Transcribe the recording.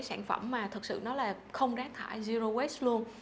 sản phẩm mà thật sự nó là không rác thải zero watch luôn